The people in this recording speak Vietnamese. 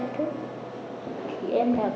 từ lúc mà em được